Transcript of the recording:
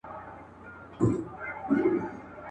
په توره شپه کي د آدم له زوی انسانه ګوښه !.